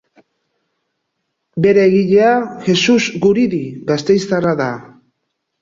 Bere egilea Jesus Guridi gasteiztarra da.